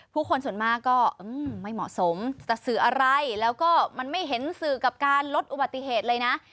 ผู้คนส่วนมากก็ไม่เหมาะสมจะสื่ออะไรแล้วก็มันไม่เห็นสื่อกับการลดอุบัติเหตุเลยนะ